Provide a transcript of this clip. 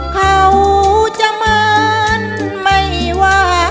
เขาจะเหมือนไม่ว่า